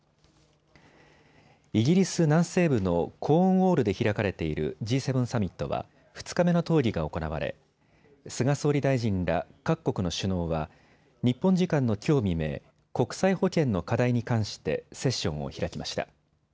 イギリス南西部のコーンウォールで開かれているＧ７サミットは２日目の討議が行われ、菅総理大臣ら各国の首脳は日本時間のきょう未明、国際保健の課題に関してセッションを開きました。